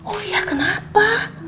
oh iya kenapa